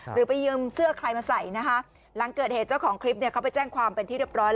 ไปยืมเสื้อใครมาใส่นะคะหลังเกิดเหตุเจ้าของคลิปเนี่ยเขาไปแจ้งความเป็นที่เรียบร้อย